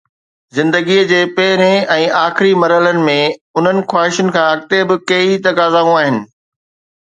زندگيءَ جي پهرئين ۽ آخري مرحلن ۾، انهن خواهشن کان اڳتي به ڪيئي تقاضائون آهن.